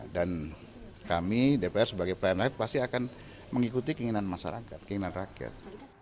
dan kami dpr sebagai pelayanan rakyat pasti akan mengikuti keinginan masyarakat keinginan rakyat